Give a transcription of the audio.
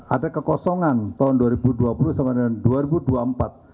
ada kekosongan tahun dua ribu dua puluh sampai dengan dua ribu dua puluh empat